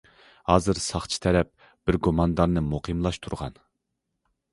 ھازىر ساقچى تەرەپ بىر گۇماندارنى مۇقىملاشتۇرغان.